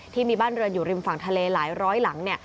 ที่มีบ้านเรือนอยู่ริมฝั่งทะเลหลายร้อยหลัง